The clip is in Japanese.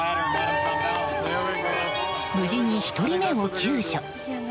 無事に１人目を救助。